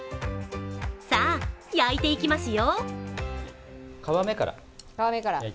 さぁ、焼いていきますよ。